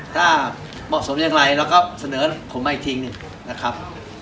ถ้าเหมาะสมอย่างไรเราก็เสนอผมมาอีกทีหนึ่งนะครับ